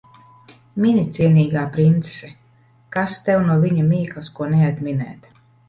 Mini, cienīgā princese. Kas tev no viņa mīklas ko neatminēt.